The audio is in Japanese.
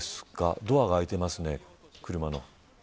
ドアが開いてますね、車の。